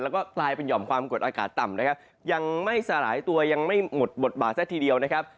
แล้วก็กลายเป็นห่อมความกดอากาศต่ำนะครับยังไม่สลายตัวยังไม่หมดบทบาทซะทีเดียวนะครับ